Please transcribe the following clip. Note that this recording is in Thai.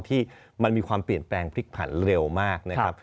ที่มันมีความเปลี่ยนแปลงพลิกผันเร็วมากนะครับ